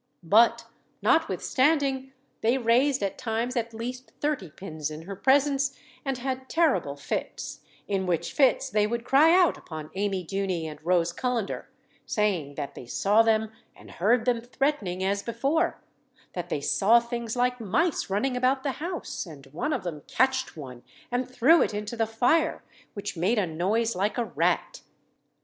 But, notwithstanding, they raised, at times, at least thirty pins in her presence, and had terrible fits; in which fits they would cry out upon Amy Duny and Rose Cullender, saying, that they saw them and heard them threatening, as before; that they saw things like mice running about the house; and one of them catched one, and threw it into the fire, which made a noise like a rat.